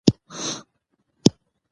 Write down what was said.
د ازمېښت څخه بریالی راووت،